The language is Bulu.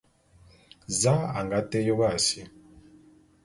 Za a nga té yôp a si?